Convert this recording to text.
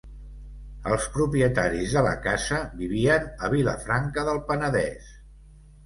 Els propietaris de la casa vivien a Vilafranca del Penedès.